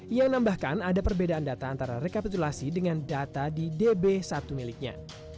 ia menambahkan ada perbedaan data antara rekapitulasi dengan data di db satu miliknya